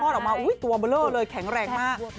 มอดออกมาอุ้ยตัวเบลอเลยแข็งแรงมาก